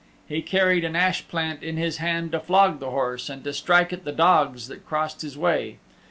He carried an ash plant in his hand to flog the horse and to strike at the dogs that crossed his way.